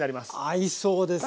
合いそうですね。